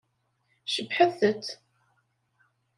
Cebbḥet-t!